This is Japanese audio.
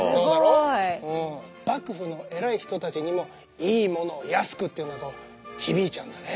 すごい！幕府の偉い人たちにも「いいものを安く」というのは響いちゃうんだね！